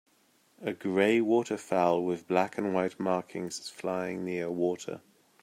A gray water fowl with black and white markings is flying near water.